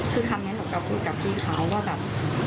คือคำนี้หนูก็พูดกับพี่เขาว่าแบบ